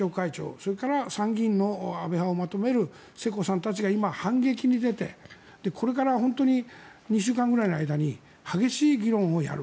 それから参議院の安倍派をまとめる世耕さんたちが今、反撃に出てこれから本当に２週間ぐらいの間に激しい議論をやる。